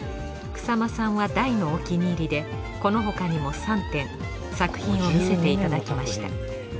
草間さんは大のお気に入りでこのほかにも３点作品を見せていただきました。